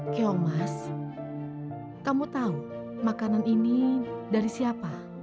kiomas kamu tahu makanan ini dari siapa